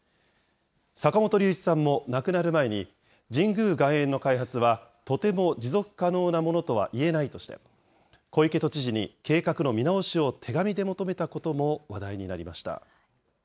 坂本龍一さんも亡くなる前に、神宮外苑の開発は、とても持続可能なものとは言えないとして、小池都知事に計画の見直しを手紙で求めたことも話題になりました。